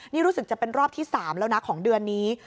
นี่รู้สึกจะเป็นรอบที่๓แล้วนะของเดือนนี้